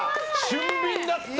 俊敏だった！